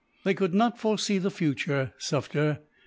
"They could not foresee the future, Sufder.